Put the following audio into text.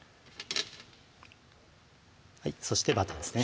そしてバターですね